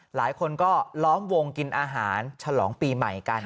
หลายคนก็ล้อมวงกินอาหารฉลองปีใหม่กัน